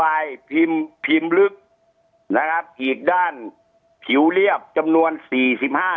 พิมพ์พิมพ์ลึกนะครับกีดด้านผิวเรียบจำนวนสี่สิบห้า